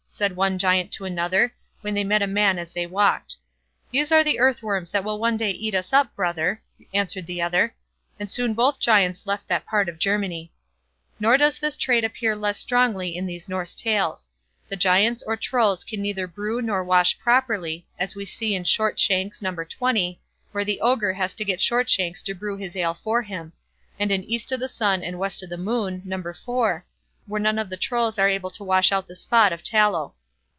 said one Giant to another, when they met a man as they walked. "These are the earthworms that will one day eat us up, brother," answered the other; and soon both Giants left that part of Germany. Nor does this trait appear less strongly in these Norse Tales. The Giants or Trolls can neither brew nor wash properly, as we see in Shortshanks, No. xx, where the Ogre has to get Shortshanks to brew his ale for him; and in "East o' the Sun and West o' the Moon", No. iv, where none of the Trolls are able to wash out the spot of tallow.